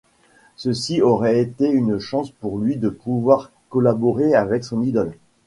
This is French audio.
Ceci aurait été une chance pour lui de pouvoir collaborer avec son idole.